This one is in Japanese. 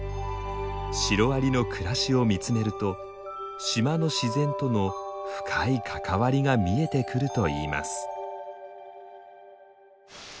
シロアリの暮らしを見つめると島の自然との深い関わりが見えてくるといいます。